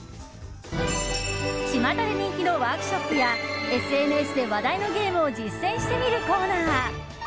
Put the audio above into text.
ちまたで人気のワークショップやＳＮＳで話題のゲームを実践してみるコーナー